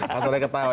mas roy ketawa